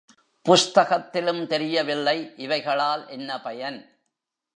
புஸ்தகத்திலும் தெரியவில்லை இவைகளால் என்ன பயன்?